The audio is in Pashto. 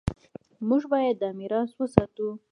موږ باید دا میراث وساتو.